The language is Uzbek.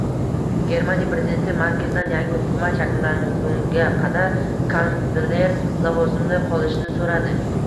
Germaniya prezidenti Merkeldan yangi hukumat shakllangunga qadar kansler lavozimida qolishini so‘radi